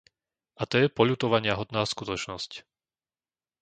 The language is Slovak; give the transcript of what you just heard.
A to je poľutovaniahodná skutočnosť.